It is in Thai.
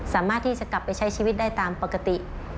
สามารถที่จะกลับไปใช้ชีวิตได้ตามปกติ